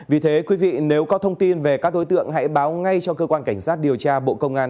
vì thế quý vị nếu có thông tin về các đối tượng hãy báo ngay cho cơ quan cảnh sát điều tra bộ công an